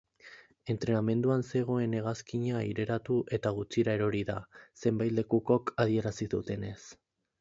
Entrenamenduan zegoen hegazkina aireratu eta gutxira erori da, zenbait lekukok adierazi dutenez.